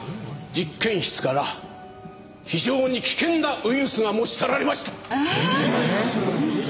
実験室から非常に危険なウイルスが持ち去られました。